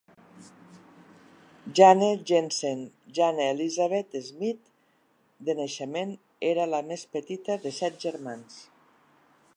Jane Jensen, Jane Elizabeth Smith de naixement, era la més petita de set germans.